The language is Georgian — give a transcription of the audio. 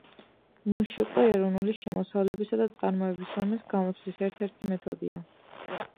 მშპ ეროვნული შემოსავლებისა და წარმოების ზომის გამოთვლის ერთ-ერთი მეთოდია.